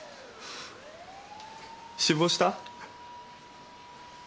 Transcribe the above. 死亡した？